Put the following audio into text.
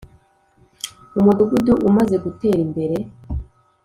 umudugudu umaze kutera imbere